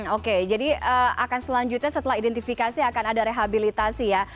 oke jadi akan selanjutnya setelah identifikasi akan ada rehabilitasi ya